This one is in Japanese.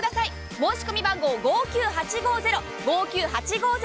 申込番号５９８５０